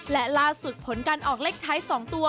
และล่าสุดผลการออกเลขท้าย๒ตัว